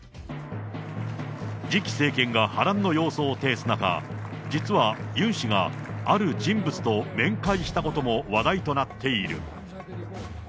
次期政権が波乱の様相を呈す中、実はユン氏がある人物と面会したことも話題となっている。